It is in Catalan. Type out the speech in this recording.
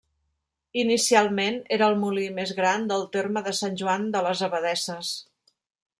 Inicialment era el molí més gran del terme de Sant Joan de les Abadesses.